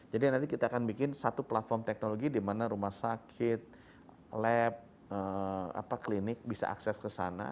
jadi nanti kita akan bikin satu platform teknologi di mana rumah sakit lab klinik bisa akses ke sana